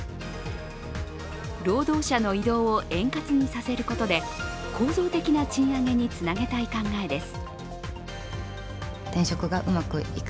労働者の移動を円滑にさせることで構造的な賃上げにつなげたい考えです。